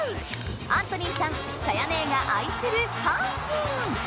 アントニーさんさや姉が愛する阪神。